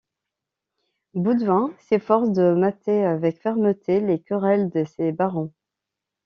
Baudouin s'efforce de mater avec fermeté les querelles de ses barons.